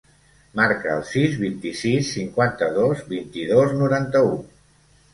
Marca el sis, vint-i-sis, cinquanta-dos, vint-i-dos, noranta-u.